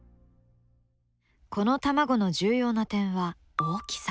この卵の重要な点は大きさ。